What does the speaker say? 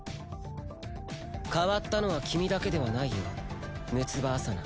変わったのは君だけではないよ六葉アサナ。